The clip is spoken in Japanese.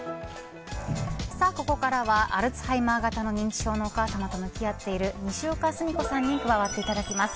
ここからはアルツハイマー型認知症のお母様と向き合っているにしおかすみこさんに加わっていただきます。